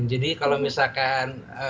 jadi kalau misalkan